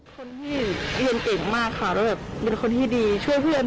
คนที่เรียนเก่งมากค่ะแล้วแบบเป็นคนที่ดีช่วยเพื่อน